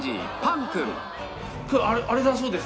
あれだそうです。